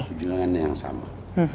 ya perjuangan yang sama